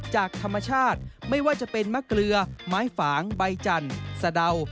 จากธรรมชาติไม่ว่าจะเป็นมะเกลือไม้ฝางใบจันทร์สะเดา